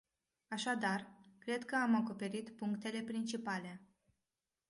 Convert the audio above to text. Așadar, cred că am acoperit punctele principale.